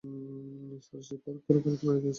Sir, সে park করা গাড়িতে মেরে দিয়েছে।